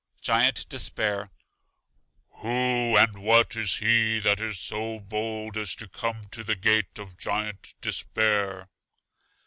Giant Despair: Who and what is he that is so bold as to come to the gate of Giant Despair?